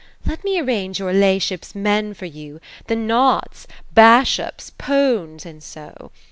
Ler me arrange your la'ship's men for you ; the knaghts, boshops, pones, and so.